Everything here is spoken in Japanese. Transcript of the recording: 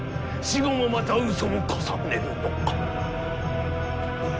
死後もまたうそを重ねるのか？